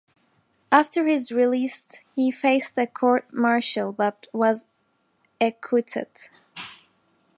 After his release he faced a court martial but was acquitted.